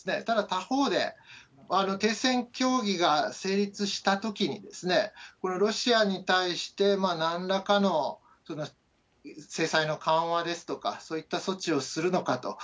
ただ他方で、停戦協議が成立したときに、このロシアに対してなんらかの制裁の緩和ですとか、そういった措置をするのかと。